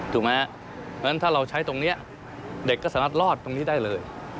ถูกไหมถ้าเราใช้ตรงนี้เด็กก็สามารถลอดตรงนี้ได้เลย